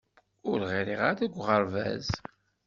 Ur ɣriɣ ara deg uɣerbaz.